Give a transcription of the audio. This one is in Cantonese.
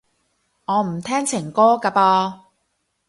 我唔聽情歌㗎噃